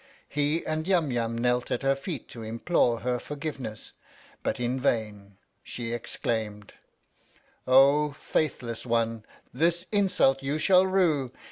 He and Yum Yum knelt at her feet to implore her forgiveness, but in vain. She exclaimed : Oh, faithless one, this insult you shall rue!